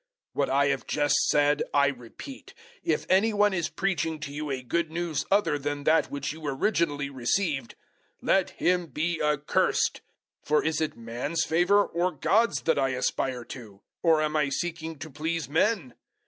001:009 What I have just said I repeat if any one is preaching to you a Good News other than that which you originally received, let him be accursed. 001:010 For is it man's favour or God's that I aspire to? Or am I seeking to please men?